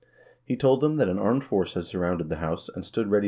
He told them that an armed force had surrounded the house, and stood ready to do his bidding.